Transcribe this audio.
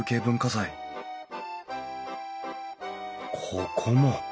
ここも。